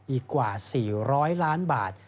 อีกกว่า๔๐๐ล้านบาท